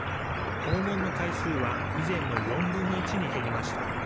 訪問の回数は以前の４分の１に減りました。